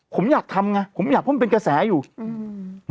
ผมอยากทำง่าผมอยากเพิ่มเป็นกระแสอยู่อืม